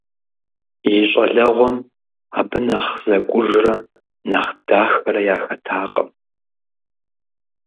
И щӀалэгъуэм абы нэхъ зэкӀужрэ нэхъ дахэрэ яхэтакъым.